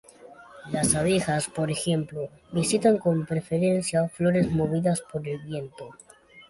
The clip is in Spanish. Las abejas, por ejemplo, visitan con preferencia flores movidas por el viento.